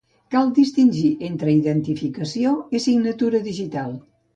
Cal distingir entre identificació i signatura digital.